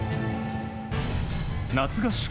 夏合宿。